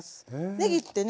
ねぎってね